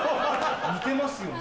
似てますよね？